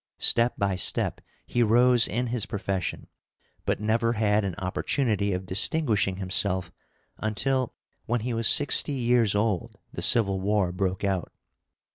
Step by step he rose in his profession, but never had an opportunity of distinguishing himself until, when he was sixty years old, the Civil War broke out.